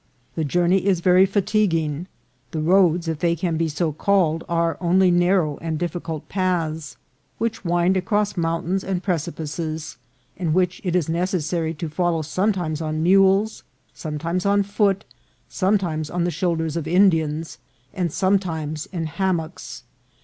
The journey is very fa tiguing. The roads, if they can be so. called, are only JOURNEY TO PALENQUE. £63 narrow and difficult paths, which wind across mountains and precipices, and which it is necessary to follow some times on mules, sometimes on foot, sometimes on the shoulders of Indians, and sometimes in hammocks.